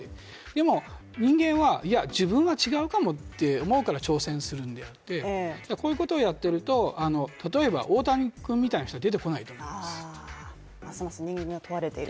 でも人間はいや、自分は違うかもって思うから挑戦するのであって、こういうことをやっていると、例えば大谷君みたいな人は出てこないと思います。